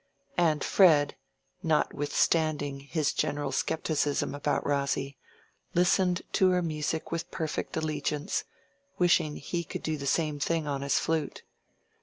And Fred, notwithstanding his general scepticism about Rosy, listened to her music with perfect allegiance, wishing he could do the same thing on his flute.